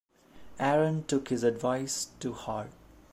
Aaron took this advice to heart.